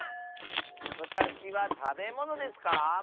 わたしはたべものですか？